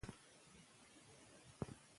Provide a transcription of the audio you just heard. سل ځله هڅه وکړئ.